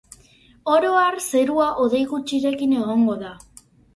Ora har, zerua hodei gutxirekin egongo da.